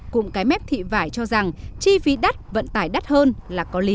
cùng cái mép thị vải cho rằng chi phí đắt vận tải đắt hơn là có lý